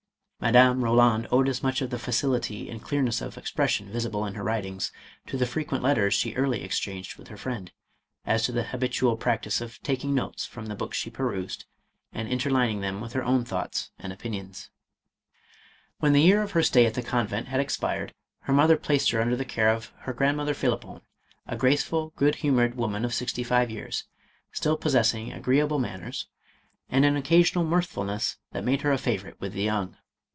Madame Eoland owed as much of the facility and clearness of expression visible in her writings, to the frequent letters she early exchanged with her friend, as to the habitual practice of taking notes from the books she perused, and interlining them with her own thoughts and opinions. When the year of her stay at the convent had ex pired, her mother placed her under the care of her grandmother Phlippon, a graceful, good humored little woman of sixty five years, still possessing agreeable 21 HI 182 .MADAME KOLAND. manners, and an occasional mirthfulness that made her a favorite with the young.